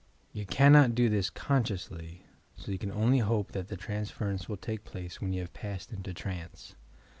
You cannot do this consciously so you can only hope that the transference will take plaee when you have passed into trance.